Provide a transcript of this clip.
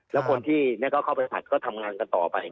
และคนที่เข้าไปผัดทำงานกันต่อไป